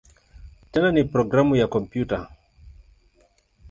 Tena ni programu ya kompyuta.